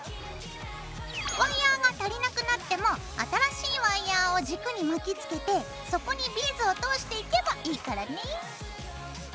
ワイヤーが足りなくなっても新しいワイヤーを軸に巻きつけてそこにビーズを通していけばいいからね。